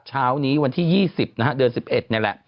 เช้านี้วันที่๒๐นะฮะเดือน๑๑นี่แหละ